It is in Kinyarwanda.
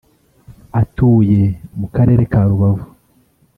atuye mu Karere ka Rubavu